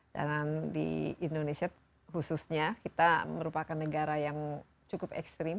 dan di indonesia khususnya kita merupakan negara yang cukup ekstrim